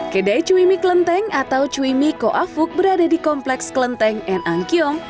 kedai cui mie klenteng atau cui mie koafuk berada di kompleks klenteng n angkiong